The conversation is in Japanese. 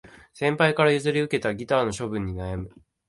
先輩から譲り受けたギターの処分に悩む